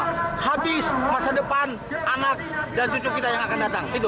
sudah habis masa depan anak dan cucu kita yang akan datang